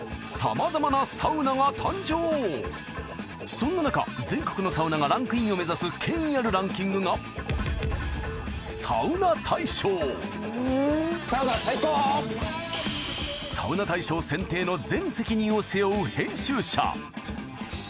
そんな中全国のサウナがランクインを目指す権威あるランキングがサウナ大賞サウナ大賞選定の全責任を背負う編集者池田達哉さんとともにベスト５を紹介